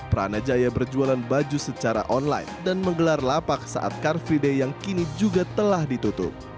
pranajaya berjualan baju secara online dan menggelar lapak saat car free day yang kini juga telah ditutup